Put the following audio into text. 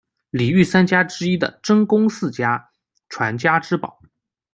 里御三家之一的真宫寺家传家之宝。